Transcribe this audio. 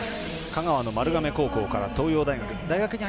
香川の丸亀高校から東洋大学。